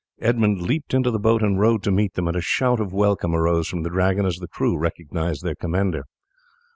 Edmund leaped into the boat and rowed to meet them, and a shout of welcome arose from the Dragon as the crew recognized their commander.